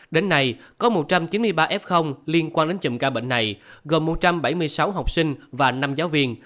đến nay có một trăm chín mươi ba f liên quan đến chùm ca bệnh này gồm một trăm bảy mươi sáu học sinh và năm giáo viên